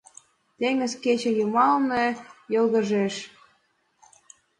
Теҥыз кече йымалне йылгыжеш.